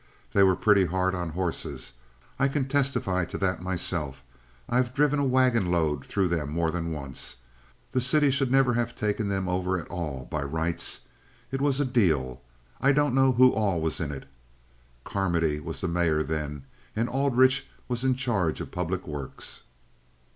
They were pretty hard on horses. I can testify to that myself. I've driven a wagon load through them more than once. The city should never have taken them over at all by rights. It was a deal. I don't know who all was in it. Carmody was mayor then, and Aldrich was in charge of public works."